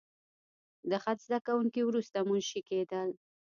د خط زده کوونکي وروسته منشي کېدل.